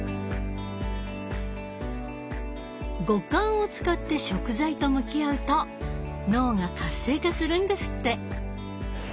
五感を使って食材と向き合うと脳が活性化するんですって。